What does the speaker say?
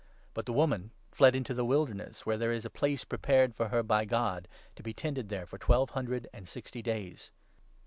But the woman fled into the wilderness, where there is 6 a place prepared for her by God, to be tended there for twelve hundred and sixty days.